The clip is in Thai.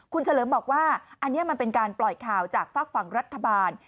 คุณเฉลิมบอกว่าอันนี้มันเป็นการปล่อยข่าวจากฝากฝั่งรัฐบาล